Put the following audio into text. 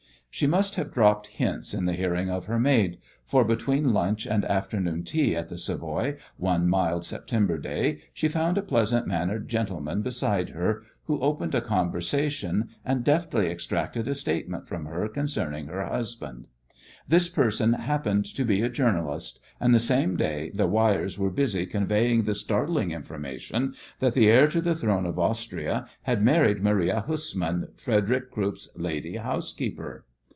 She must have dropped hints in the hearing of her maid, for between lunch and afternoon tea at the Savoy one mild September day she found a pleasant mannered gentleman beside her, who opened a conversation, and deftly extracted a statement from her concerning her husband. This person happened to be a journalist, and, the same day, the wires were busy conveying the startling information that the heir to the throne of Austria had married Maria Hussmann, Frederick Krupp's lady housekeeper!